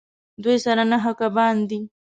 دوی سره نهه کبان دي